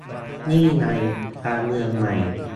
นี่ไง การเมืองใหม่